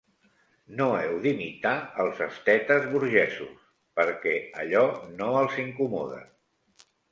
No heu d'imitar els estetes burgesos, perquè allò no els incomoda.